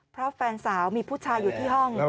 เพราะแฟนสาวมีผู้ชายอยู่ที่ห้อง